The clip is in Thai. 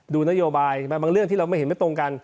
ดูนโยบายบางเรื่องที่เราไม่เห็นไม่ตรงกัน